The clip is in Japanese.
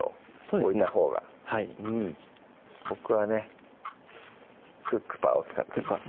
置いたほうがはい僕はね「クックパー」を使ってます